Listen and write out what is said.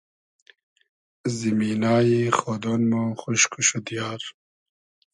زیمینای خۉدۉن مۉ خوشک و شودیار